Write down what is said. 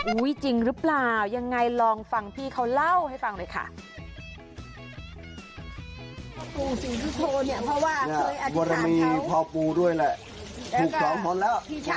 จริงหรือเปล่ายังไงลองฟังพี่เขาเล่าให้ฟังหน่อยค่ะ